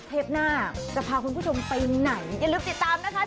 เทปหน้าจะพาคุณผู้ชมไปไหนอย่าลืมติดตามนะคะ